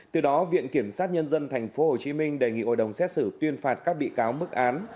từ đó viện kiểm sát nhân dân tp hcm đề nghị hội đồng xét xử tuyên phạt các bị cáo mức án